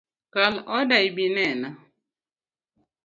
Kal oda ibinena